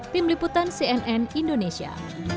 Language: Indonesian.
tim liputan cnn indonesia